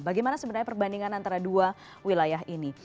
bagaimana sebenarnya perbandingan antara dua wilayah ini